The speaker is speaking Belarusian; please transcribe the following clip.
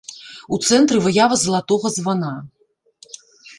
У цэнтры выява залатога звана.